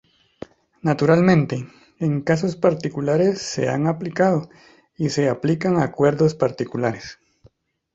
Naturalmente, en casos particulares se han aplicado y se aplican acuerdos particulares.